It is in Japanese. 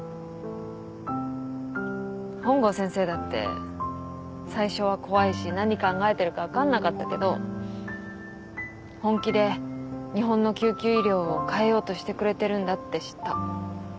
本郷先生だって最初は怖いし何考えてるか分かんなかったけど本気で日本の救急医療を変えようとしてくれてるんだって知った。